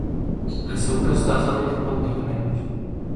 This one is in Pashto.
که سنکس تازه نه وي، خوند یې خرابېږي.